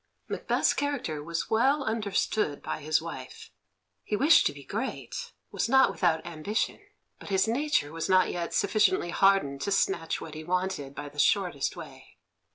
Macbeth's character was well understood by his wife. He wished to be great, was not without ambition, but his nature was not yet sufficiently hardened to snatch what he wanted by the shortest way.